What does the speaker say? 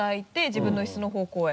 自分のイスの方向へ。